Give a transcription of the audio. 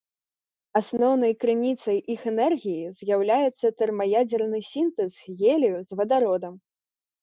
Асноўнай крыніцай іх энергіі з'яўляецца тэрмаядзерны сінтэз гелію з вадародам.